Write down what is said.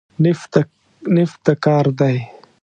نفت د کار دی.